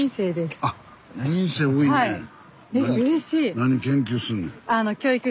何研究すんねん。